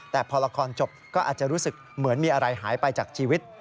แต่พอละครจบก็อาจจะรู้สึกเหมือนมีอะไรหายไปจากชีวิต